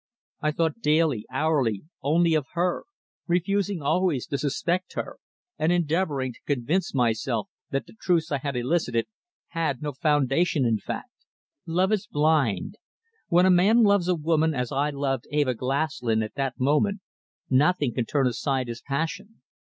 I thought daily, hourly, only of her, refusing always to suspect her, and endeavouring to convince myself that the truths I had elicited had no foundation in fact. Love is blind. When a man loves a woman as I loved Eva Glaslyn at that moment, nothing can turn aside his passion.